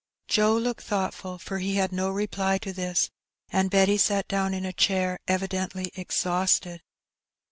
" Joe looked thoughtful, for he had no reply to this, and Betty sat down in a chair, evidently exhausted.